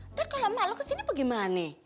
ntar kalau emak lu kesini apa gimana